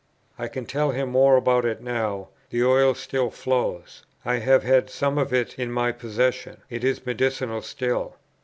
I can tell him more about it now: the oil still flows; I have had some of it in my possession; it is medicinal still.